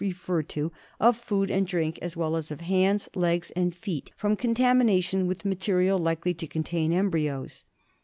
2/ referred to, of food and drink as well as of hands, legs, and feet, from contamination with material likely to con tain embryos.